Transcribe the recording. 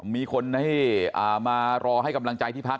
มีคนให้มารอให้กำลังใจที่พัก